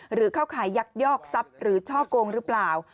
หรือเข้าขายยักยอกทรัพย์หรือช่อกงหรือเปล่า